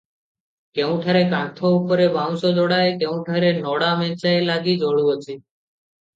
କେଉଁଠାରେ କାନ୍ଥ ଉପରେ ବାଉଁଶ ଯୋଡ଼ାଏ, କେଉଁଠାରେ ନଡ଼ା ମେଞ୍ଚାଏ ଲାଗି ଜଳୁଅଛି ।